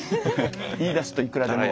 言いだすといくらでも。